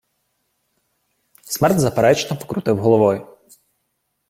Смерд заперечно покрутив головою.